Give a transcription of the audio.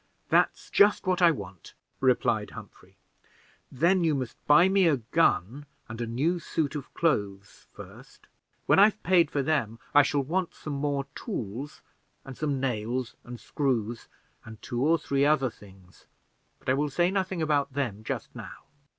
"That's just what I want," replied Humphrey. "Then you must buy me a gun and a new suit of clothes first; when I've paid for them, I shall want some more tools, and some nails and screws, and two or three other things; but I will say nothing about them just now.